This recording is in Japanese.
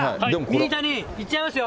ミニタニ、いっちゃいますよ。